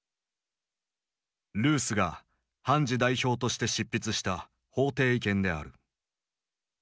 ルースが判事代表として執筆した法廷意見である。